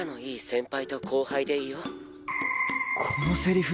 このセリフ